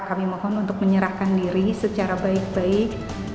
kami mohon untuk menyerahkan diri secara baik baik